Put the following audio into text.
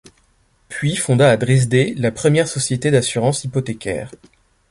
Puis fonda à Dresde la première société d'assurance hypothécaire.